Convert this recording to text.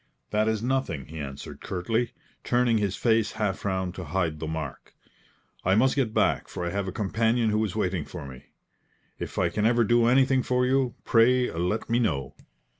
"That is nothing," he answered, curtly, turning his face half round to hide the mark. "I must get back, for I have a companion who is waiting for me. If I can ever do anything for you, pray let me know.